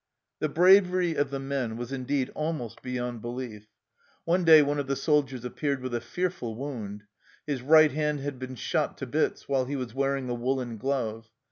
The bravery of the men was indeed almost beyond 174 THE CELLAR HOUSE OF PERVYSE belief. One day one of the soldiers appeared with a fearful wound. His right hand had been shot to bits while he was wearing a woollen glove.